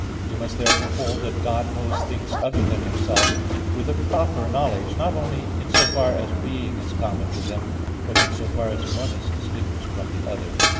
1). We must therefore hold that God knows things other than Himself with a proper knowledge; not only in so far as being is common to them, but in so far as one is distinguished from the other.